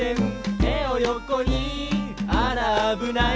「てをよこにあらあぶない」